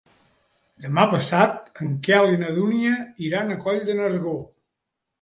Demà passat en Quel i na Dúnia iran a Coll de Nargó.